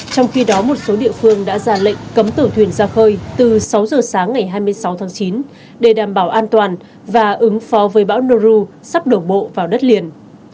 trong khi đó một số địa phương đã ra lệnh cấm tàu thuyền ra khơi từ sáu giờ sáng ngày hai mươi sáu tháng chín để đảm bảo an toàn và ứng phó với bão noru sắp đổ bộ vào đất liền